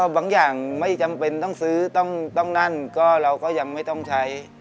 บางอย่างไม่จำเป็นต้องซื้อต้องนั่นก็เราก็ยังไม่ต้องใช้